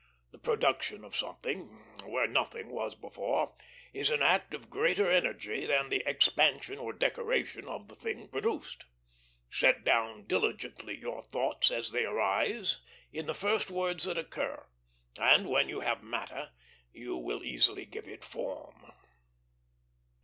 The production of something, where nothing was before, is an act of greater energy than the expansion or decoration of the thing produced. Set down diligently your thoughts as they arise in the first words that occur, and, when you have matter, you will easily give it form."